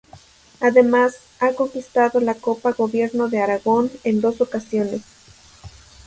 Además ha conquistado la Copa Gobierno de Aragón en dos ocasiones.